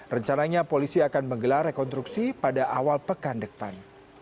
rencananya polisi akan menggelar rekonstruksi pada awal pekan depan